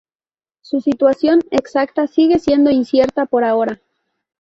Su situación exacta sigue siendo incierta por ahora.